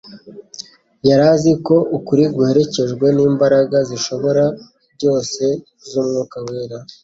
Yari azi ko ukuri guherekejwe n'imbaraga z'Ishobora byose z'Umwuka wera,